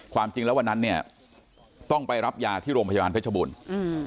ความจริงแล้ววันนั้นเนี่ยต้องไปรับยาที่โรงพยาบาลเพชรบูรณ์อืม